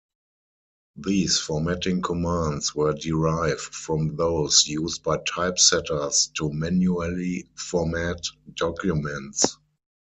These formatting commands were derived from those used by typesetters to manually format documents.